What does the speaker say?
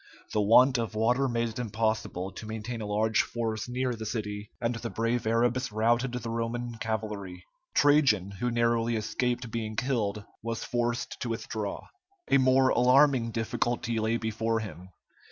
The want of water made it impossible to maintain a large force near the city, and the brave Arabs routed the Roman cavalry. Trajan, who narrowly escaped being killed, was forced to withdraw. A more alarming difficulty lay before him.